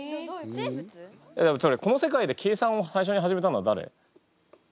この世界で計算を最初に始めたのは誰？